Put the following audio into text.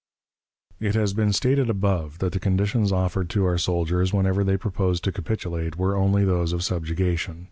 It has been stated above that the conditions offered to our soldiers whenever they proposed to capitulate, were only those of subjugation.